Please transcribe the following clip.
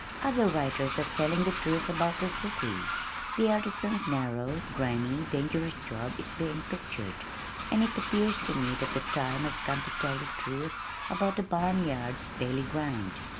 "Other writers are telling the truth about the city, the artisan's narrow, grimy, dangerous job is being pictured, and it appears to me that the time has come to tell the truth about the barn yard's daily grind.